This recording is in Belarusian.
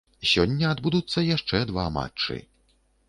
Сёння адбудуцца яшчэ два матчы.